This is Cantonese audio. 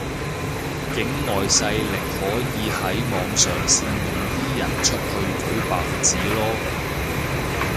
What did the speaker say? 境外勢力可以喺網上煽動啲人出去舉白紙囉